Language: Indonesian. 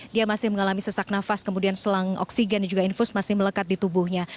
dia masih mengalami sesak nafas kemudian selang oksigen dan juga infus masih melekat di tubuhnya